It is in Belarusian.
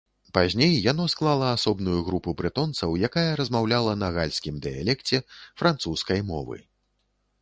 Пазней яно склала асобную групу брэтонцаў, якая размаўляла на гальскім дыялекце французскай мовы.